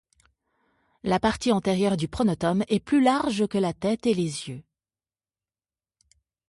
La partie antérieure du pronotum est plus large que la tête et les yeux.